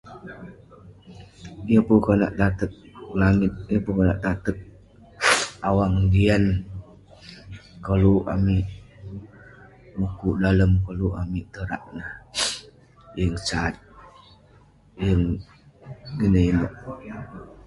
yeng pun konak tateg langit, yeng pun konak taterk awang, jian. koluk amik mukuk dalem ,koluk amik mukuk torak neh. yeng sat, yeng inouk inouk.